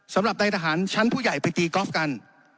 สำหรับในทหารชั้นผู้ใหญ่ไปตีกอล์ฟกัน